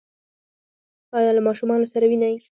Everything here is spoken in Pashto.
ایا له ماشومانو سره وینئ؟